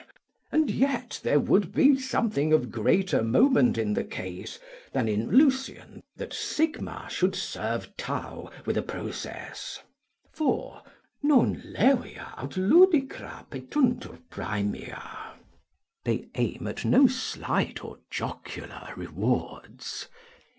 and yet there would be something of greater moment in the case than in Lucian, that Sigma should serve Tau with a process; for "Non levia aut ludicra petuntur Praemia;" ["They aim at no slight or jocular rewards."